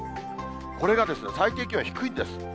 これが最低気温、低いんです。